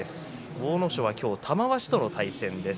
阿武咲は今日は玉鷲との対戦です。